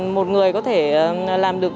một người có thể làm được